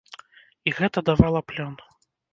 І гэта давала плён.